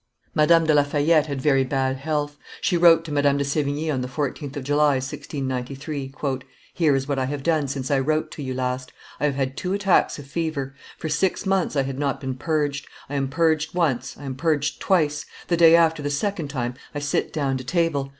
Madame de La Fayette had very bad health; she wrote to Madame de Sevigne on the 14th of July, 1693, "Here is what I have done since I wrote to you last. I have had two attacks of fever; for six months I had not been purged; I am purged once, I am purged twice; the day after the second time, I sit down to table.